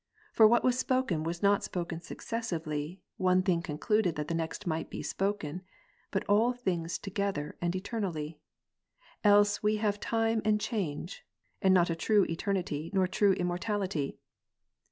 For what was spoken was not spoken successively, one thing concluded that thenext might { be spoken, but all things together and eternally'. Else have we time and change ; and not a true eternity nor true im mortality.